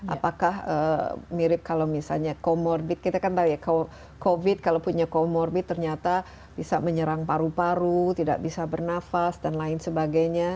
apakah mirip kalau misalnya comorbid kita kan tahu ya covid kalau punya comorbid ternyata bisa menyerang paru paru tidak bisa bernafas dan lain sebagainya